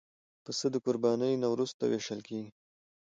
پسه د قربانۍ نه وروسته وېشل کېږي.